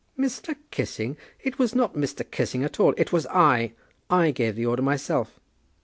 "Mr. Kissing! It was not Mr. Kissing at all. It was I. I gave the order myself."